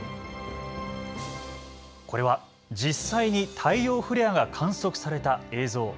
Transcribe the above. これは実際に太陽フレアが観測された映像。